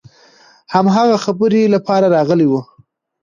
هماغه خبرې لپاره راغلي وو.